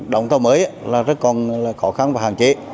đóng tàu mới là rất còn khó khăn và hạn chế